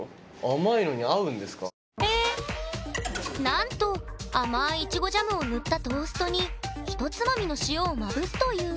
なんと甘いイチゴジャムを塗ったトーストにひとつまみの塩をまぶすという。